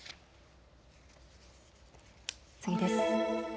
次です。